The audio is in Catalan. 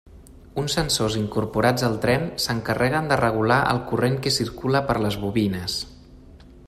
Uns sensors incorporats al tren, s'encarreguen de regular el corrent que circula per les bobines.